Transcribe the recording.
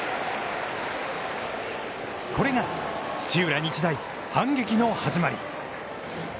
これが土浦日大、反撃の始まり。